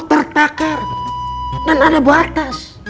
tertakar dan ada batas keblinger